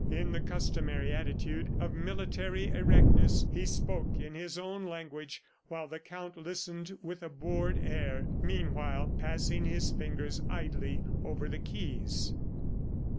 In the customary attitude of military erectness, he spoke in his own language while the Count listened with a bored air, meanwhile passing his fingers idly over the keys.